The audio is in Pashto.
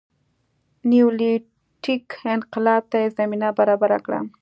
نیولیتیک انقلاب ته یې زمینه برابره کړه